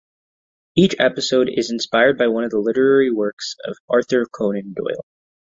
Each episode is inspired by one of the literary works of Arthur Conan Doyle.